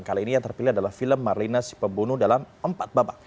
kali ini yang terpilih adalah film marlina sipebunuh dalam empat babak